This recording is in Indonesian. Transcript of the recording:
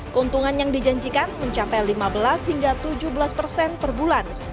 keuntungan yang dijanjikan mencapai lima belas hingga tujuh belas persen per bulan